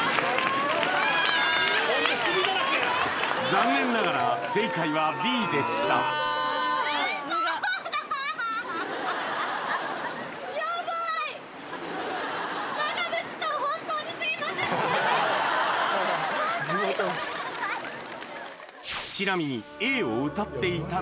残念ながら正解はＢでしたちなみに乾杯！